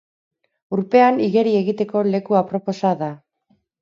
Urpean igeri egiteko leku aproposa da.